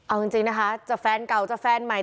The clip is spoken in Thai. เอาจริงนะคะจะแฟนเก่าจะแฟนใหม่